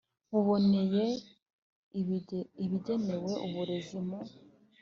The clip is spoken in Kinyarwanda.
buboneye ibigenewe uburezi mu